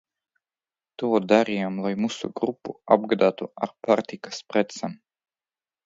To darījām lai mūsu grupu apgādātu ar pārtikas precēm.